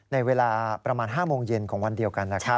ในเวลาประมาณ๕โมงเย็นของวันเดียวกัน